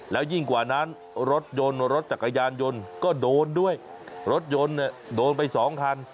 แล้วยิ่งกว่านั้นรถยนต์รถจักรยานยนต์ก็โดนด้วยรถยนต์เนี่ยโดนไปสองคัน